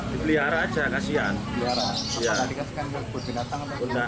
dibeliara saja kasihan